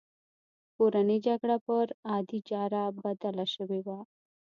کورنۍ جګړه پر عادي چاره بدله شوې وه